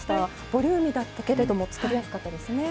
ボリューミーだったけど作りやすかったですね。